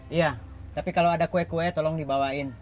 iya tapi kalau ada kue kue tolong dibawain